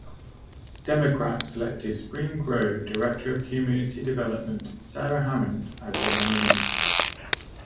Democrats selected Spring Grove director of community development Sarah Hammond as their nominee.